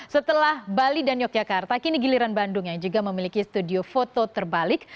setelah bali dan yogyakarta kini giliran bandung yang juga memiliki studio foto terbalik